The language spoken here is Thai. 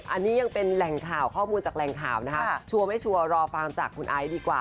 อันนี้ยังเป็นแหล่งข่าวข้อมูลจากแหล่งข่าวนะคะชัวร์ไม่ชัวร์รอฟังจากคุณไอซ์ดีกว่า